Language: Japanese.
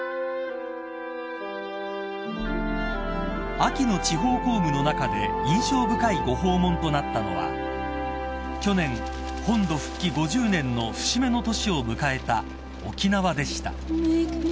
［秋の地方公務の中で印象深いご訪問となったのは去年本土復帰５０年の節目の年を迎えた沖縄でした］